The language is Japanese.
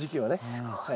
すごい。